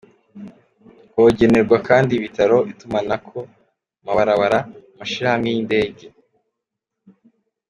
"Hokenegwa kandi ibitaro, itumanako, amabarabara, amashirahamwe y'indege.